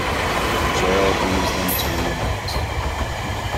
Gerald leaves them to reunite.